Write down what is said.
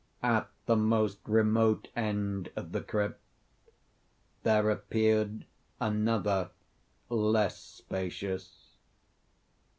At the most remote end of the crypt there appeared another less spacious.